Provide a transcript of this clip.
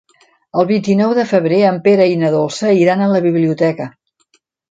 El vint-i-nou de febrer en Pere i na Dolça iran a la biblioteca.